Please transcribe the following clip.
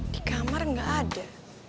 di kamar gak ada